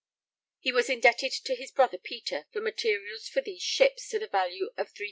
He was indebted to his brother Peter for materials for these ships to the value of 325_l.